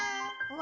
「わ！」